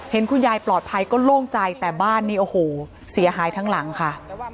เห็นคุณยายปลอดภัยก็โล่งใจแต่บ้านนี้โอ้โหเสียหายทั้งหลังค่ะ